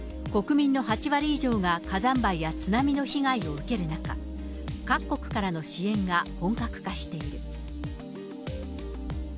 国民の８割以上が火山灰や津波の被害を受ける中、各国からの支援が本格化している。